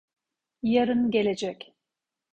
Yarın gelecek.